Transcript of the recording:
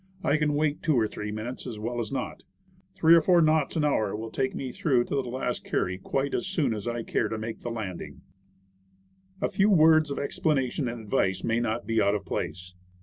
I can wait two or three minutes as well as not. Three or four knots an hour will take me through to the last carry quite as soon as I care to make the landing A few words of explanation and advice may not be out of place.